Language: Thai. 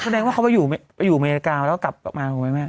แสดงว่าเขาไปอยู่เมริกาแล้วกลับกลับมาหรือไหมแม่